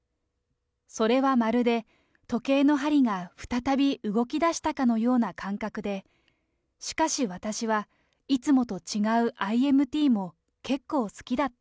それはまるで時計の針が再び動きだしたかのような感覚で、しかし私は、いつもと違うＩＭＴも結構好きだった。